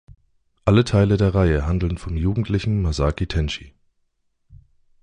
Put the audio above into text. Alle Teile der Reihe handeln vom Jugendlichen Masaki Tenchi.